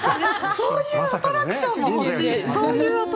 そういうアトラクションも欲しい。